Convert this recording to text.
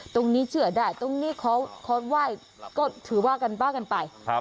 ตรงนี้เชื่อได้ตรงนี้เขาเขาว่ายก็ถือว่ากันบ้ากันไปครับ